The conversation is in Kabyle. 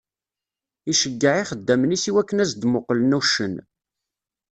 Iceyyeε ixeddamen-is i wakken ad as-d-muqqlen uccen.